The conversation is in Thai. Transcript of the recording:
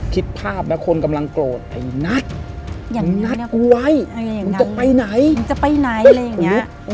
คิดภาพแล้วคนกำลังโกรธไอ้นัดนัดกูไว้มึงจะไปไหนมึงจะไปไหนอะไรอย่างเงี้ย